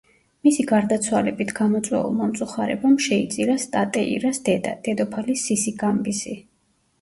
მისი გარდაცვალებით გამოწვეულმა მწუხარებამ შეიწირა სტატეირას დედა, დედოფალი სისიგამბისი.